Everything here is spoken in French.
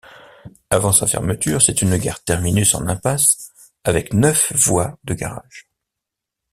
Avant sa fermeture, c'est une gare terminus en impasse avec neuf voies de garages.